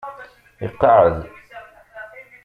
Iqeɛɛed.